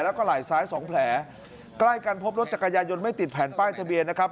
แล้วก็ไหล่ซ้ายสองแผลใกล้กันพบรถจักรยายนไม่ติดแผ่นป้ายทะเบียนนะครับ